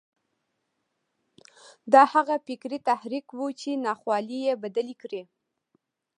دا هغه فکري تحرک و چې ناخوالې یې بدلې کړې